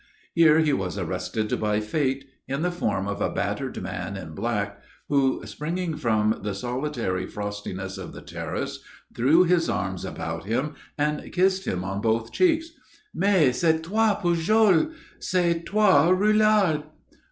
Here he was arrested by Fate, in the form of a battered man in black, who, springing from the solitary frostiness of the terrace, threw his arms about him and kissed him on both cheeks. "Mais, c'est toi, Pujol!" "_C'est toi, Roulard!